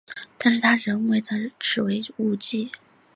但是他人认为此是误记。